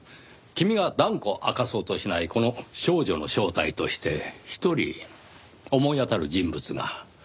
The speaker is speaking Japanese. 君が断固明かそうとしないこの少女の正体として一人思い当たる人物が。